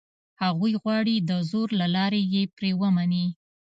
هغوی غواړي دزور له لاري یې پرې ومني.